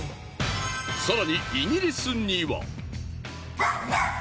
更にイギリスには。